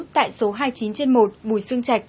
tại số hai mươi chín trên một bùi sương trạch